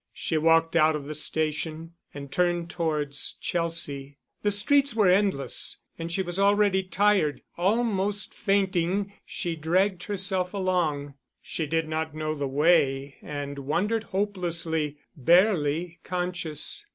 She walked out of the station, and turned towards Chelsea. The streets were endless, and she was already tired; almost fainting, she dragged herself along. She did not know the way, and wandered hopelessly, barely conscious.